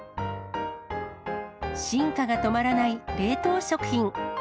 進化が止まらない冷凍食品。